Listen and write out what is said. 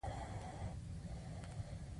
بايسکل او موټر سايکل دواړه ګټور دي.